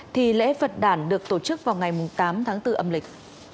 thì lễ phật đàn được tổ chức vào ngày tám tháng bốn âm lịch